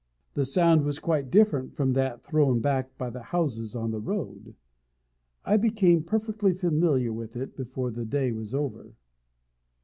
The sound was quite different from that thrown back by the houses on the road. I became perfectly familiar with it before the day was over.